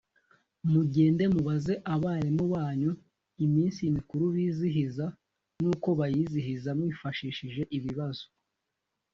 mugende mubaze abarimu banyu iminsi mikuru bizihiza n‘uko bayizihiza, mwifashishije ibibazo